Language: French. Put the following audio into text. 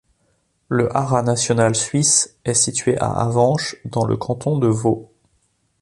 Le Haras national suisse est situé à Avenches, dans le canton de Vaud.